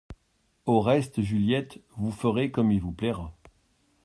Au reste, Juliette, vous ferez comme il vous plaira.